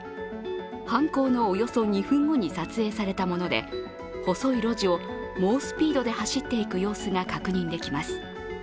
犯行のおよそ２分後に撮影されたもので、細い路地を猛スピードで走っていく様子が確認できます。